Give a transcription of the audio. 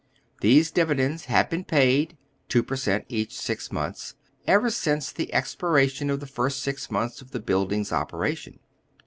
These div idends have been paid {two per cent, each six montJis) ever since the expiration of the first six months of the buildings operation.